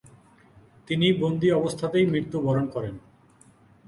তিনি বন্দি অবস্থাতেই মৃত্যুবরণ করেন।